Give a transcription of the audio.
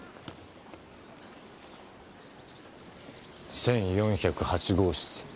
１４０８号室。